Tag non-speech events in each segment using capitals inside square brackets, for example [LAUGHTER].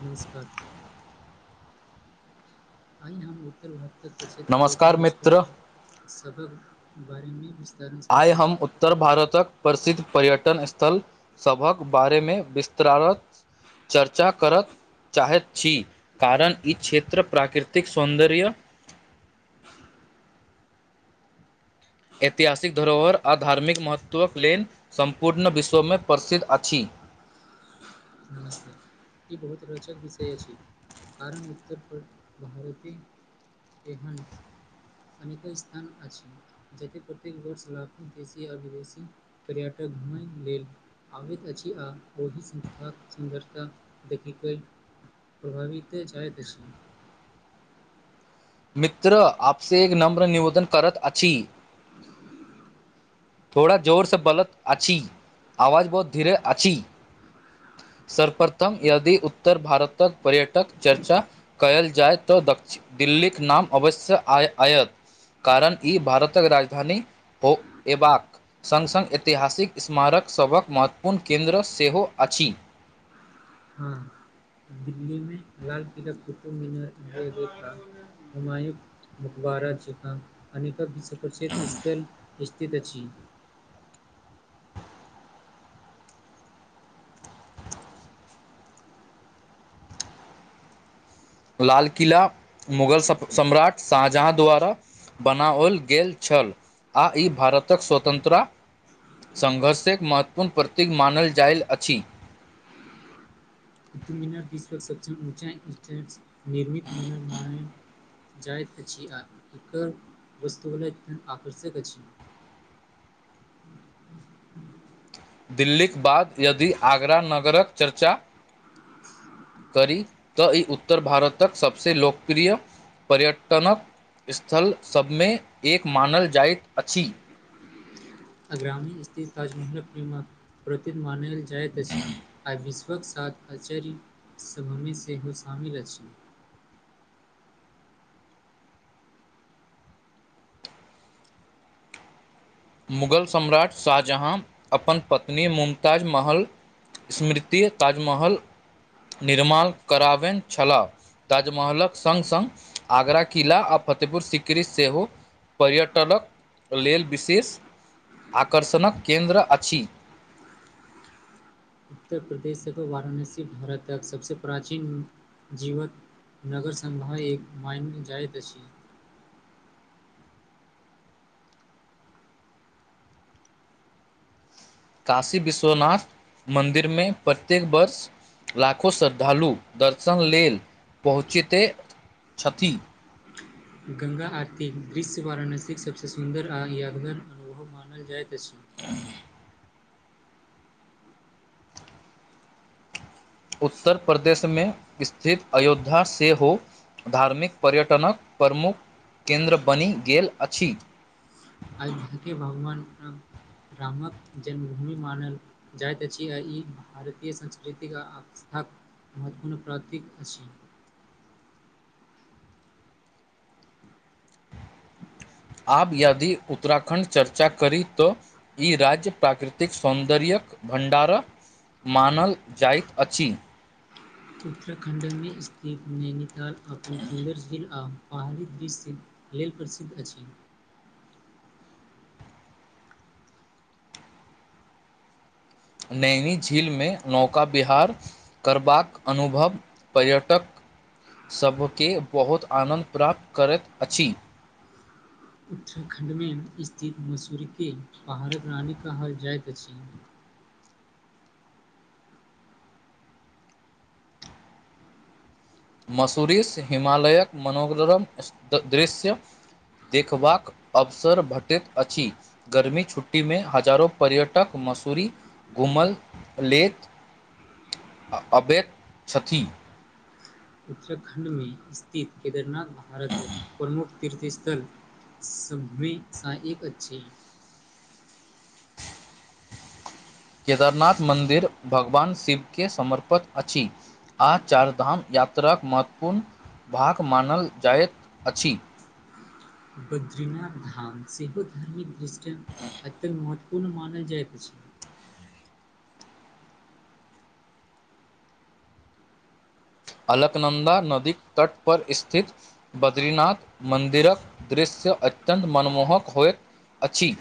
नमस्कार। आइ हम उत्तर भारतक प्रसिद्ध नमस्कार पर्यटन मित्र स्थल सभक बारेमे विस्तार आइ हम उत्तर भारतक प्रसिद्ध पर्यटन स्थल सभक बारेमे विस्तारक चर्चा करत चाहैत छी। कारण ई क्षेत्र प्राकृतिक सौन्दर्य ऐतिहासिक धरोहर आ धार्मिक महत्त्वक लेलन सम्पूर्ण विश्वमे प्रसिद्ध अछि। नमस्कार ई बहुत रोचक विषय अछि। कारण उत्तर भारत एहन अनेक स्थान अछि। जतेक प्रत्येक वर्ष लाखो देशी आओर विदेशी पर्यटक घुमैके लेल। आबैत अछि। आ ओहि संस्थाक सुन्दरता देखिक प्रभावित जायत अछि। मित्र आपसे एक नम्र निवेदन करत अछि। थोड़ा जोरसँ बलत अछि आवाज बहुत धीरे अछि। सर्वप्रथम यदि उत्तर भारतक पर्यटक चर्चा कयल जायत तऽ दक्षि दिल्लीक नाम अवश्य आय आयत। कारण ई भारतक राजधानी हो अयबाक संग संग ऐतिहासिक स्मारक सभक महत्वपूर्ण केन्द्र सेहो अछि। हँ। दिल्ली मे लाल किला कुतम मीनार इंडिया गेट आ हुमायू मुकबारा जेकाँ अनेक [UNINTELLIGIBLE] स्थल स्थित अछि। लाल किला मुगल सप-सम्राट शाहजहाँ द्वारा बनाओल गेल छल। आ ई भारतक स्वतंत्रा संघर्षक महत्वपूर्ण प्रतीक मानल जाइल अछि। कुतुब मिनार दिसक सबससबसे ऊँचा स्थित निर्मित मिनर म जाइत अछि इकर वस्तु [UNINTELLIGIBLE] आकर्षक अछि। दिल्लीक बाद यदि आगरा नगरक चर्चा [INAUDIBLE] करी तऽ ई उत्तर भारतक सबसँ लोकप्रिय पर्यटनक स्थल सभमे एक मानल जाइत अछि। आग्रामी स्थित ताजमहलक फिलिमक प्रती मानल जाइत अछि। आ विश्वक साथ आचार सबमे सेहो शामिल अछि। मुगल सम्राट शाहजहाँ अपन पत्नी मुमताज महल स्मृति ताजमहल निर्माण कराबैन छलाह। ताजमहलक संग- संग आगरा किला आ फतेहपुर सिकृ सेहो। पर्यटलक लेल विशेष आकर्षणक केंन्द्र अछि। उत्तर प्रदेश वाराणसी भारत तक सबसँ प्राचीन जीवक नगरसभा एक माइनल जाइत अछि। काशी विश्वनाथ मन्दिरमे प्रत्येक वर्ष लाखो श्रद्धालु दर्शन लेल पहुँचैते छथि। गंगा आरती दृश्य वाराणसीके सभसँ सुन्दर आ यादगार अनुभव मानल जाइत अछि। [UNINTELLIGIBLE] उत्तर प्रदेशमे स्थित अयोध्या सेहो धार्मिक पर्यटनक प्रमुख केन्द्र बनि गेल अछि। अयोध्याके भगवान राम रामक जन्मभूमि मानल जाइत अछि। आ ई भारतीय संस्कृतिक आथा महत्वपूर्ण प्रतिक अछि। आब यादि उत्तराखण्ड चर्चा करी तो। ई राज्य प्राकृतिक सौन्दर्य्यक भण्डारा मानल जाइत अछि। उत्तराखण्डमे स्थित नैनीताल अपन सुन्दर झील आउ पहाड़ी दृश्य लेल प्रसिद्ध अछि। नैनी झीलमे नौका बिहार करबाक अनुभव पर्यटक सभके बहुत आनन्द प्राप्त करैत अछि। उत्तराखण्डमे स्थित मसूरीके पहाड़ रानी कहल जाइत अछि। मसूरीस हिमाालयके मनोग्रम द दृश्य देखबाक अवसर भटैत अछि। गर्मी छुट्टी मे हजारो पर्यटक मसूरी घूमल लेत अबेत छथि। उत्तराखण्डमे स्थित केदारनाथ भारत प्रमुख तीर्थ स्थल सभमे सा एक अच्छे। केदारनाथ मन्दिर भगवान शिवके समर्पत अछि। आ चारधाम यात्राके महत्वपूर्ण भाग मानल जाइत अछि। बद्रीनाथ धाम सेहो धार्मिक दृष्टि [UNINTELLIGIBLE] महत्व पूर्ण मानल जाइत छै। अलकनंन्दा नदी तट पर स्थित बद्रीनाथ मन्दिरक दृश्य अत्यन्त मनमोहक होइत अछि।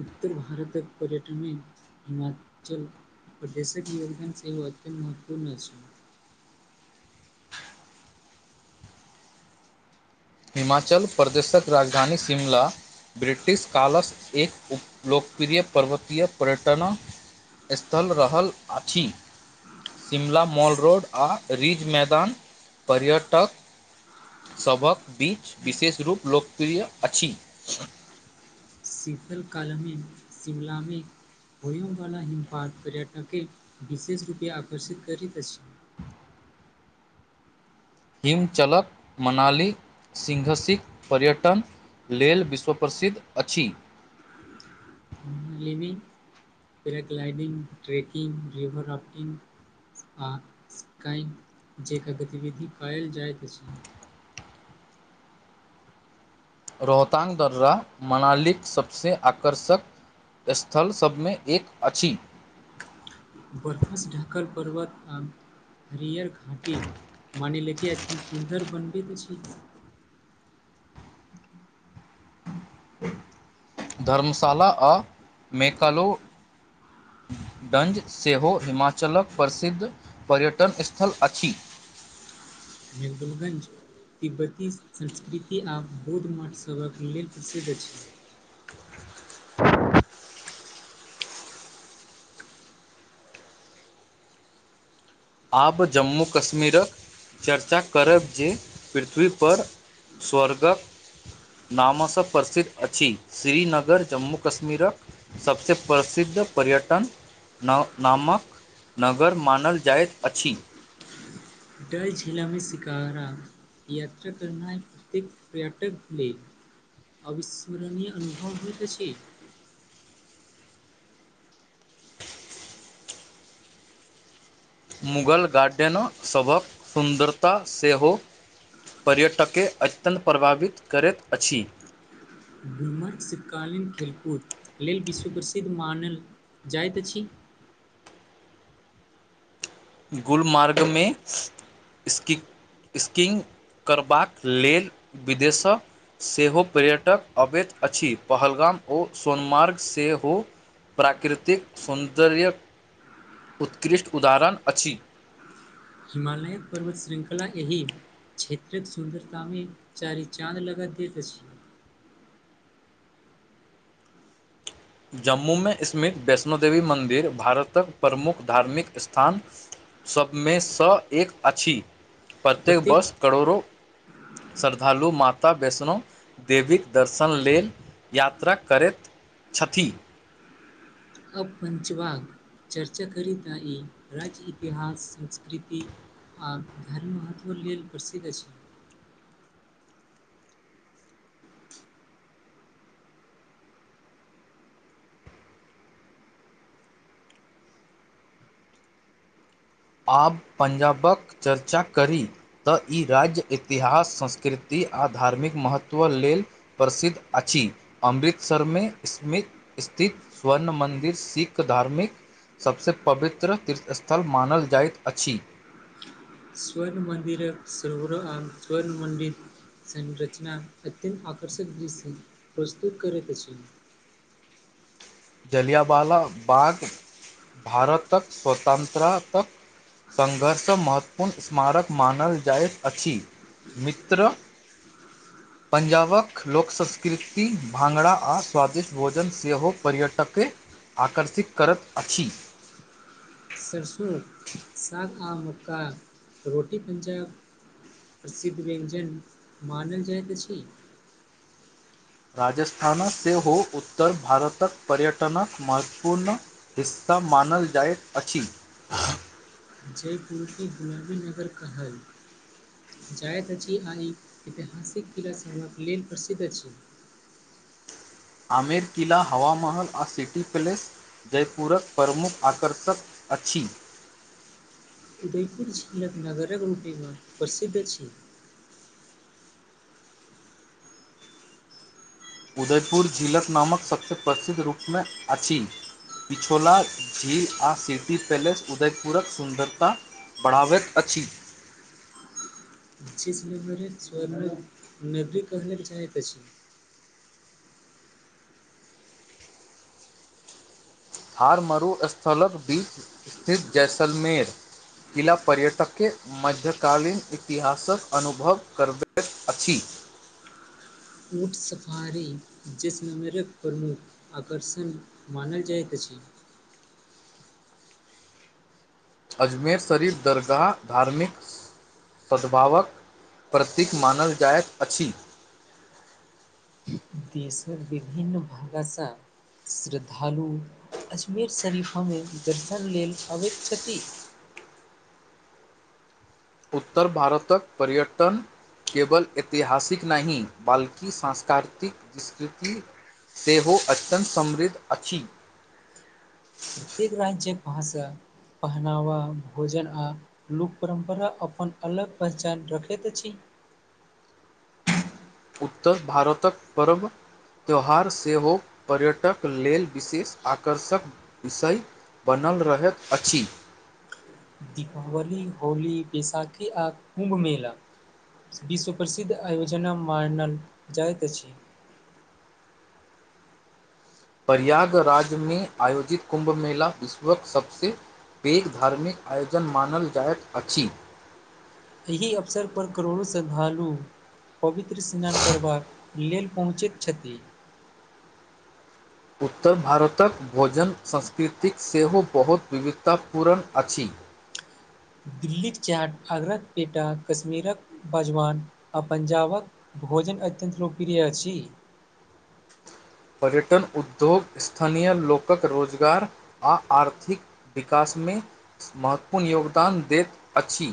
उत्तर भारतक पर्यटन मे हिमाचल पर देशक योगदान सेहो अत्यंन्त महत्वपूर्ण अछि। हिमाचल प्रदेशक राजधानी शिमला। ब्रिटिश कालस एक उप लोकप्रिय पर्वतीय पर्यटन स्थल रहल आछि। शिमला मॉल रोड आ रिज मैदान पर्यटक सभक बीच विशेष रूप लोकप्रिय अछि। शीतल कालमे शिमलामे होयमवला हिमपात पर्यटके विशेष रूपे आकर्षित करैत अछि। हिमचलक मनाली सिंघसीक पर्यटन लेल विश्व प्रसिद्ध अछि। [UNINTELLIGIBLE] पैराग्लाइडिंग, ट्रैकिंग, रिवर राफ्टिंग आ स्काईंग जेंका गतिविधि कयल जाइत अछि। रोहतांग दर्रा मनालीक सबसे आकर्षक स्थल सभमे एक अछि। बरफसँ ढाकल पर्वत आ हरियर घाटी मानीले के एते सुन्दर बनबैत अछी। धर्मशाला आओ मेकालो डंज सेहो हिमाचलक प्रसिद्ध पर्यटन स्थल अछि। मेहुदुलगंज तिब्बती संस्कृति आ बौध मठसभक लेल प्रसिद्ध अछि। आब जम्मू कश्मीरक चर्चा करब जे पृथ्वीपर स्वर्गक नामस प्रसिद्ध अछि श्रीनगर जम्मू कश्मीरक सबसे प्रसिद्ध पर्यटन न नामक नगर मानल जाइत अछि। डल झीलामे शिकारा यात्रा करनाइ प्रत्येक पर्यटक के अविस्मरणीय अनुभव होइत अछि। मुगल गार्डेनसभक सुन्दरता सेहो पर्यटककेँ अत्यन्त प्रभावित करैत अछि। मर्ग शीतकालीन खेलकूद लेल विश्व प्रसिद्ध मानल जाइत अछि। गुलमार्गमे इसक स्कीइंग करबाक लेल विदेश सेहो पर्यटक अबैत अछि पहलगाम ओ सोनमार्ग सेहो प्राकृतिक सौन्दर्य उत्कृष्ट उदाहरण अछि। हिमालय पर्वत श्रृंखला एहि क्षेत्रक सुन्दरतामे चारि चाँद लगा दैत अछि। जम्मूमे स्थित वैष्णो देेवी मन्दिर भारतक प्रमुख धार्मिक स्थान सभमे सँ एक अछि, प्रत्येक वर्ष करोड़ो श्रद्धालु माता वैष्णो देवीक दर्शन लेल यात्रा करैत छथी। अब पञचबाग चर्चा करीत ई राज्य इतिहास, संस्कृति आ घर्म महत्व लेल प्रसिद्ध अछि। आब पंजाबक चर्चा करी तऽ ई राज्य इतिहास, संस्कृति आ धार्मिक महत्व लेल प्रसिद्ध अछि, अमृतसरमे स्मित स्थित स्वर्ण मन्दिर सिख धार्मिक सभसँ पवित्र तीर्थ स्थल मानल जाइत अछि। स्वर्ण मन्दिर सर्ण मन्दिर [INAUDIBLE] संरचना अत्यंत आकर्षक दृश्य प्रस्तुत करैत अछि। जलियाबाला बाग, भारतक स्वतन्त्रातक सङ्घर्षसँ महत्वपूर्ण स्मारक मानल जाइत अछि। मित्र ह [UNINTELLIGIBLE] पंजाबक लोक, संस्कृति, भांगड़ा, आ स्वादिष्ट भोजन सेहो पर्यट तके, आकर्षित करैत अछि। सरसोंक साग, आ मक्का रोटी, पंजाब प्रसिद्ध व्यञ्जन मानल जाइत अछि। राजस्थान सेहो, उत्तर भारतक पर्यटनक महत्वपूर्ण हिस्सा मानल जाइत अछि। जयपुर के गुलाबी नगर कहल। जायत अछि, आ ई ऐतिहासिक किलासभक लेल प्रसिद्ध अछि। आमिर किला, हवा महल, आ सिटी प्लेस जयपुरक प्रमुख आकर्षक अछि। उदयपुर झिलक नगरक रूपमे प्रसिद्ध अछि। उदयपुर झिलक नामक सबसँ प्रसिद्ध रूपमे अछि। पिछौला, झील, आ सिटी पैलेस, उदयपुरक सुन्दरता बढ़ाबैत अछि। जिस नम्बरे स्वर्ण नगरी कहलक जाइत अछि। [UNINTELLIGIBLE] हार मरू स्थलक बीच स्थित जैसलमेर। किला पर्यटक मध्यकालीन इतिहासक अनुभव करबैत अछि। ऊँट, सफारी, जैसलमेरक प्रमुख आकर्षण मानल जाइत अछि। अजमेर शरीफ, दरगाह, धार्मिक सद्भावक प्रतीक मानल जाइत अछि। देशर विभिन्न भाग सं श्रद्धालु अजमेर शरीफमे, दर्शन लेल अबैत छथि। उत्तर भारतक पर्यटन केवल ऐतिहासिक नहि, बल्कि सांस्कृतिक विस्कृति सेहो अत्यन्त समृद्ध अछि। प्रत्येक राज्य्यक भाषा, पहनावा, भोजन आ लोक परम्परा अपन अलग पहचान रखैत अछि। उत्तर भारतक परब त्यौहार सेहो, पर्यटक लेल विशेष आकर्षक विषय बनल रहैत अछि। दीपावली, होली, बैसाखी, आ कुम्भ मेला विश्व प्रसिद्ध आयोजन मानल जाइत अछि। प्रयाग राज्यमें, आयोजित कुम्भ मेला, विश्वक सबसँ पैघ धार्मिक आयोजन मानल जाइत अछि। एहि अवसर पर करोड़ो श्रद्धालु पवित्र स्नान करबाक लेल पहुँचैत छथि। उत्तर भारतक भोजन संस्कृतिक सेहो बहुत विविधतापूर्न अछि। दिल्लीक चाट, आगरक पेटा, कश्मीरक बजवान आ पंजाबक भोजन अत्यन्त लोकप्रिय अछि। पर्यटन उद्योग, स्थानीय लोकक रोजगार आ आर्थिक विकासमे महत्वपूर्ण योगदान देत अछि।